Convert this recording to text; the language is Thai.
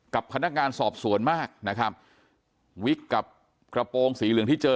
กับพนักงานสอบสวนมากนะครับวิกกับกระโปรงสีเหลืองที่เจอ